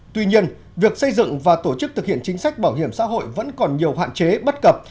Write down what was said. tuy nhiên việc xây dựng và tổ chức thực hiện chính sách bảo hiểm xã hội vẫn còn nhiều hạn chế bất cập